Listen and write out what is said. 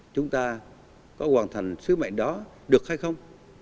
chúng ta có hoàn thành sứ mệnh đó được hay không